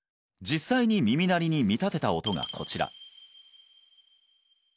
実際に耳鳴りに見立てた音がこちら